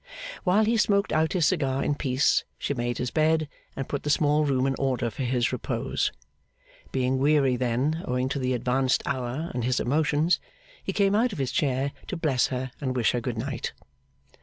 While he smoked out his cigar in peace, she made his bed, and put the small room in order for his repose. Being weary then, owing to the advanced hour and his emotions, he came out of his chair to bless her and wish her Good night.